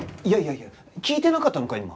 いやいやいや聞いてなかったのか？